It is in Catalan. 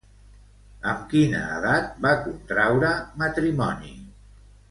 Amb quina edat va contraure matrimoni?